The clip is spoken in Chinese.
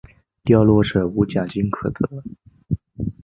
掉落者无奖金可得。